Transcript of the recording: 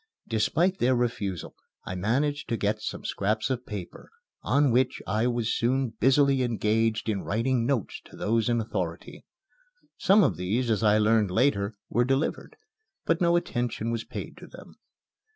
Despite their refusal I managed to get some scraps of paper, on which I was soon busily engaged in writing notes to those in authority. Some of these (as I learned later) were delivered, but no attention was paid to them.